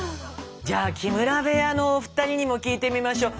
じゃ木村部屋のお二人にも聞いてみましょう。